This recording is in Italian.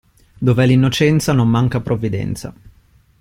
Dov'è l'innocenza non manca provvidenza.